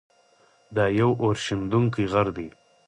دا یو اورښیندونکی غر دی.